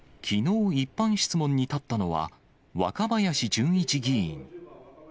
きのう、一般質問に立ったのは、若林純一議員。